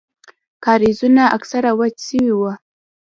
کاريزونه اکثره وچ سوي وو.